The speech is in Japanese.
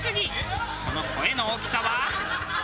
その声の大きさは。